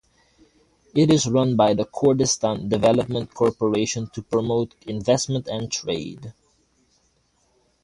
It is run by the Kurdistan Development Corporation to promote investment and trade.